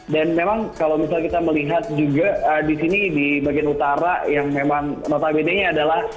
dan memang kalau misalnya kita melihat juga di sini di bagian utara yang memang notabene nya adalah